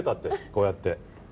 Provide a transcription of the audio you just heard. こうやって。